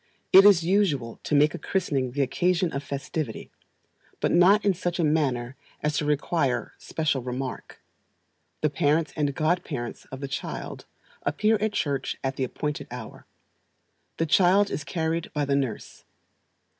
It is usual to make a christening the occasion of festivity; but not in such a manner as to require special remark. The parents and god parents of the child appear at church at the appointed hour. The child is carried by the nurse.